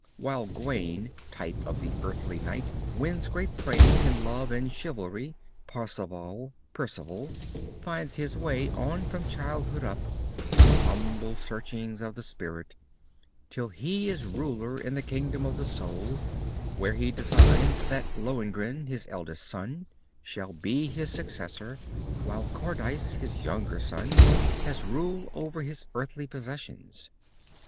While Gawain, type of the earthly knight wins great praise in love and chivalry, Parzival Percival finds his way on from childhood up, through humble searchings of the spirit, till he is ruler in the kingdom of the soul, where he designs that Lohengrin, his eldest son, shall be his successor, while Kardeiss, his younger son, has rule over his earthly possessions.